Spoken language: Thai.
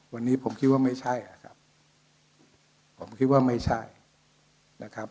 วันนี้ผมคิดว่าไม่ใช่ครับ